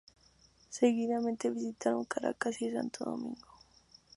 Seguidamente visitaron Caracas y Santo Domingo.